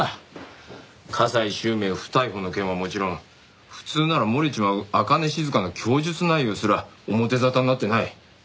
加西周明不逮捕の件はもちろん普通なら漏れちまう朱音静の供述内容すら表沙汰になってない。